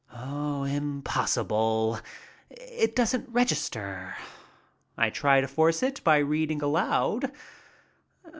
Impossible! It doesn't register. I try to force it by reading aloud.